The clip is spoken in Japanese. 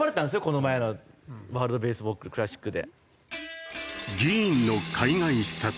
この前のワールドベースボールクラシックで。